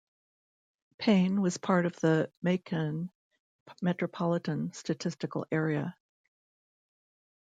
Payne was part of the Macon Metropolitan Statistical Area.